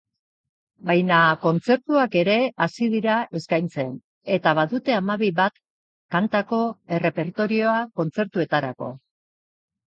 Baina kontzertuak ere hasi dira eskaintzen eta badute hamabi bat kantako errepertorioa kontzertuetarako.